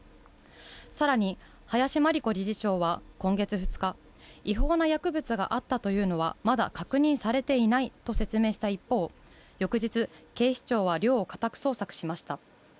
更に林真理子理事長は今月２日、違法な薬物があったというのはまだ確認されていないと説明した一方、翌日、警視庁は寮を家宅捜索しました。